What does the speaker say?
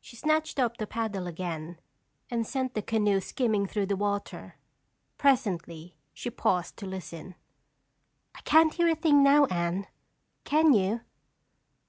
She snatched up the paddle again and sent the canoe skimming through the water. Presently she paused to listen. "I can't hear a thing now, Anne. Can you?"